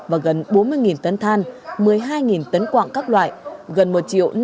và gần bốn mươi tấn than một mươi hai tấn quạng các loại gần một năm trăm linh m ba